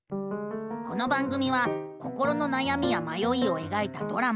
この番組は心のなやみやまよいをえがいたドラマ。